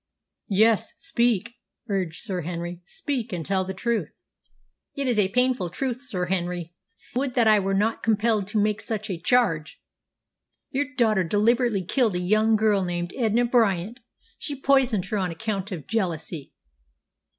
"Yes, speak!" urged Sir Henry. "Speak and tell me the truth." "It is a painful truth, Sir Henry; would that I were not compelled to make such a charge. Your daughter deliberately killed a young girl named Edna Bryant. She poisoned her on account of jealousy."